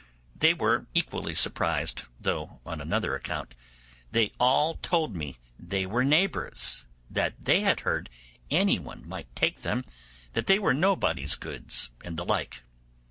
They were equally surprised, though on another account. They all told me they were neighbours, that they had heard anyone might take them, that they were nobody's goods, and the like.